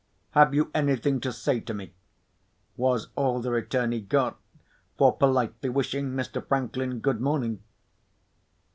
"Have you anything to say to me?" was all the return he got for politely wishing Mr. Franklin good morning.